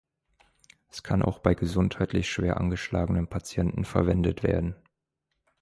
Es kann auch bei gesundheitlich schwer angeschlagenen Patienten verwendet werden.